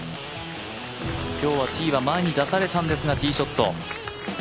今日はティーは前に出されたんですが、ティーショット。